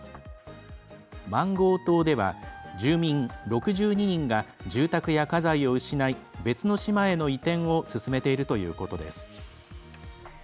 マンゴー島では住民６２人が住宅や家財を失い別の島への移転を進めているということです。